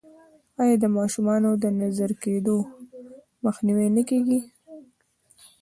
آیا د ماشومانو د نظر کیدو مخنیوی نه کیږي؟